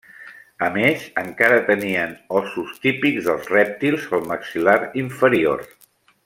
A més, encara tenien ossos típics dels rèptils al maxil·lar inferior.